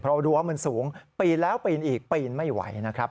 เพราะรั้วมันสูงปีนแล้วปีนอีกปีนไม่ไหวนะครับ